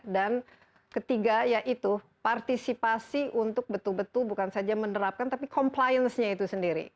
dan ketiga yaitu partisipasi untuk betul betul bukan saja menerapkan tapi compliance nya itu sendiri